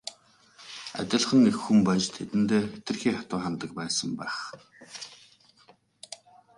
Адилхан эх хүн байж тэдэндээ хэтэрхий хатуу ханддаг байсан байх.